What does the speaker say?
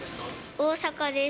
大阪です。